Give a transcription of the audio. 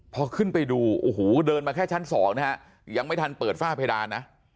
พอขึ้นไปดูโอ้โหเดินมาแค่ชั้นสองนะฮะยังไม่ทันเปิดฝ้าเพดานนะ